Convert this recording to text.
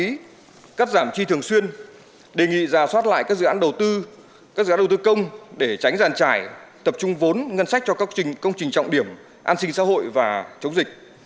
tôi đề nghị cắt giảm chi thường xuyên đề nghị giả soát lại các dự án đầu tư các dự án đầu tư công để tránh giàn trải tập trung vốn ngân sách cho các công trình trọng điểm an sinh xã hội và chống dịch